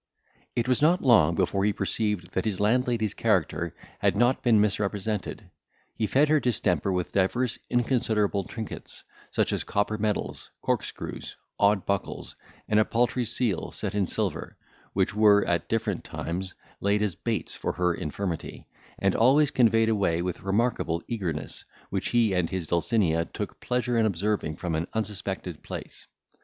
It was not long before he perceived that his landlady's character had not been misrepresented. He fed her distemper with divers inconsiderable trinkets, such as copper medals, corkscrews, odd buckles, and a paltry seal set in silver, which were, at different times, laid as baits for her infirmity, and always conveyed away with remarkable eagerness, which he and his Dulcinea took pleasure in observing from an unsuspected place.